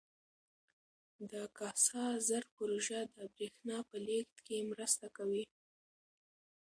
د کاسا زر پروژه د برښنا په لیږد کې مرسته کوي.